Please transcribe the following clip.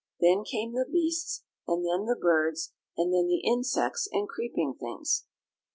Then came the beasts, and then the birds, and then the insects and creeping things.